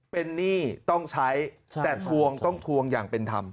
เป็นหนี้ต้องใช้แต่ทวงต้องทวงอย่างเป็นธรรม